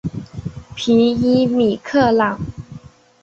皮伊米克朗。